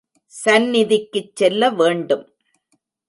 சந்நிதிக்குச் செல்ல வேண்டும்.